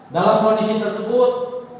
dalam kondisi tersebut